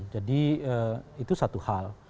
jadi itu satu hal